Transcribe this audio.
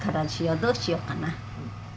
どうしようかな？